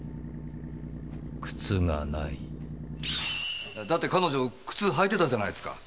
〔靴がない〕だって彼女靴履いてたじゃないですか。